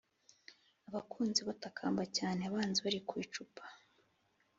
abakunzi batakamba cyane abanzi bari ku icupa